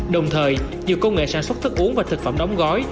đồng thời nhiều công nghệ sản xuất thức uống và thực phẩm đóng gói